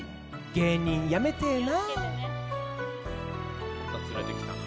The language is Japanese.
「芸人やめてぇな」